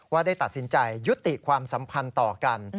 ได้ตัดสินใจยุติความสัมพันธ์ต่อกัน